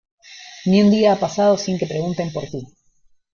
Ni un día ha pasado sin que pregunten por tí.